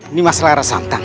ini mas rara santang